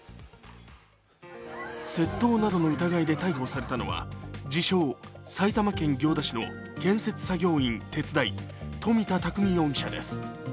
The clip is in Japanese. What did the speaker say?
窃盗などの疑いで逮捕されたのは、自称・埼玉県行田市の建設作業員手伝い、富田匠容疑者です。